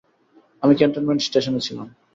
আমি ক্যান্টনমেন্ট স্টেশনে ছিলাম।